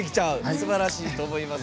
すばらしいと思います。